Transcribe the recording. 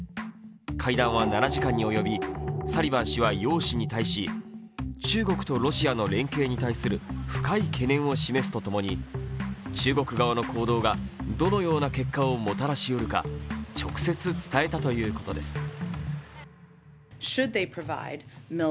会談は７時間に及び、サリバン氏は楊氏に対し中国とロシアの連携に対する深い懸念を示すとともに中国側の行動がどのような結果をもたらしうるか直接伝えたということです。